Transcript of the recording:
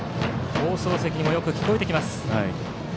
放送席にもよく聞こえてきます。